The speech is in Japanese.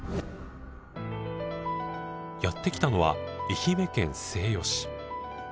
やって来たのは愛媛県西予市。